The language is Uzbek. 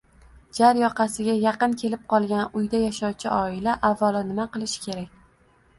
jar yoqasiga yaqin kelib qolgan uyda yashovchi oila avvalo nima qilishi kerak?